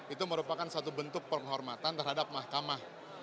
itu merupakan satu bentuk penghormatan terhadap mahkamah